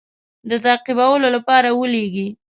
د تعقیبولو لپاره ولېږي.